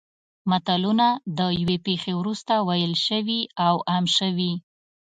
متلونه د یوې پېښې وروسته ویل شوي او عام شوي